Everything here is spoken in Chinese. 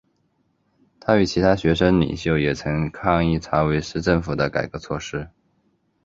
他与其他学生领袖也曾抗议查韦斯政府的改革措施。